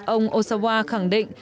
ông osawa khẳng định